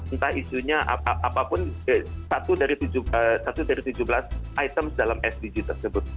entah isunya apapun satu dari tujuh belas items dalam sdg tersebut